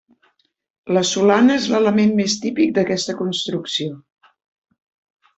La solana és l'element més típic d'aquesta construcció.